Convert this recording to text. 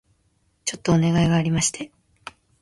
ちょっとお願いがありまして